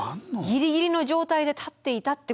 ギリギリの状態で建っていた？